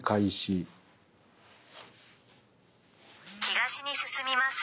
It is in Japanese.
東に進みます。